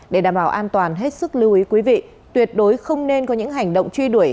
để đảm bảo an toàn hết sức lưu ý quý vị tuyệt đối không nên có những hành động truy đuổi